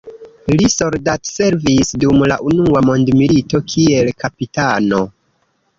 Li soldatservis dum la unua mondmilito kiel kapitano.